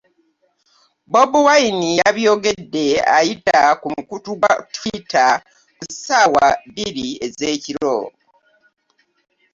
Bobi Wine yabyogedde ayita ku mukutu gwa Twitter ku ssaawa bbiri ez'ekiro